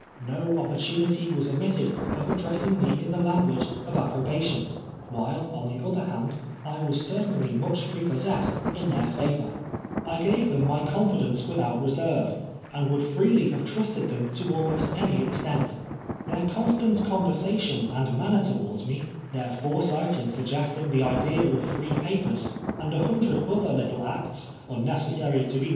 INTo opportunity was omitted of addressing me in the language of approbation ; while, on the other hand, I was certainly much prepossessed in their favor. I B* 8 34 TWELVE YEAES A SLAVE. gave tliciii my confidence \vitlir»ut I'csorvc, and would Irccly liave trusted tlieni to almost any extent. Their constant conversation and manner towards me — tlieir furesii; lit in sugg esting the idea of free papers, and a linndred other little acts, unnecessary to ])e r